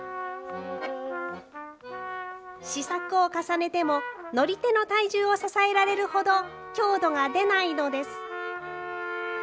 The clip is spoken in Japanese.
試作を重ねても、乗り手の体重を支えられるほど強度が出ないのです。